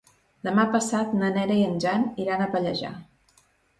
Demà passat na Vera i en Jan iran a Pallejà.